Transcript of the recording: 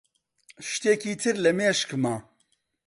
شتێکی تر لە مێشکمە.